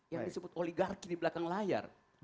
yang disebut oligarki di belakang layar